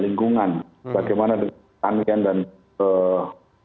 ingin usia di west curling kecil